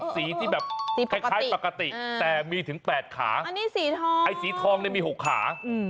สีทองนี่มี๖ขา